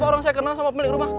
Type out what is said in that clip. orang saya kenal sama pemilik rumah